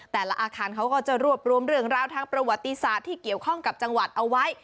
แต่ละอาคารเขาก็จะรวบรวมเรื่องราวทางประวัติศาสตร์ที่เกี่ยวข้องกับจังหวัดเอาไว้